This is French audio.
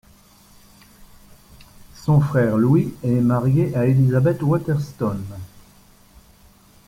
Son frère Louis est marié à Elisabeth Waterston.